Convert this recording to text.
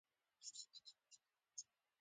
فریدګل پوښتنه وکړه چې د هغه کس ټنډه څنګه ده